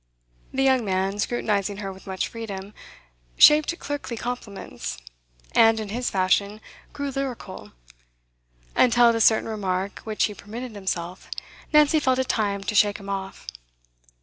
The young man, scrutinising her with much freedom, shaped clerkly compliments, and, in his fashion, grew lyrical; until, at a certain remark which he permitted himself, Nancy felt it time to shake him off.